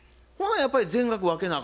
やっぱり全額分けなあ